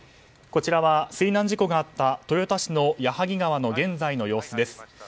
こちらは、水難事故があった豊田市の矢作川の現在の様子です。